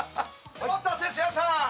お待たせしました。